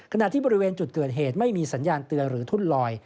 ขณะที่บริเวณจุดเกิดเหตุไม่มีสัญญาณเตือนหรือทุ่นลอย